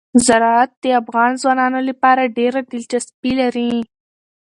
زراعت د افغان ځوانانو لپاره ډېره دلچسپي لري.